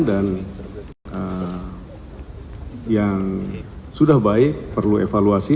dan yang sudah baik perlu evaluasi